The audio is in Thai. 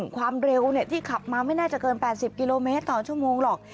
ความเร็วที่ขับมาไม่น่าจะเกิน๘๐กิโลเมตรต่อชั่วโมงหรอก